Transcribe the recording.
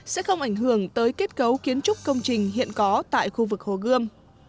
sẽ không ảnh hưởng tới kết cấu kiến trúc công trình hiện có tại khu vực hồ gươm